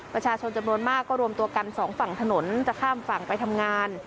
ประชาชนจำนวนมากก็รวมตัวกันสองฝั่งถนนจะข้ามฝั่งไปทำงาน